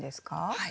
はい。